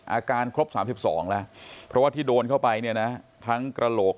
อาการครบ๓๒แล้วเพราะว่าที่โดนเข้าไปเนี่ยนะทั้งกระโหลก